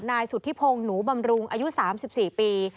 นายสุธิพงศ์หนูบำรุงอายุ๓๔ปี